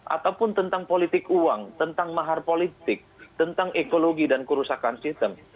ataupun tentang politik uang tentang mahar politik tentang ekologi dan kerusakan sistem